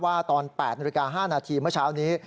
ว่าตอน๘๐๕นาทีเมื่อเช้านี้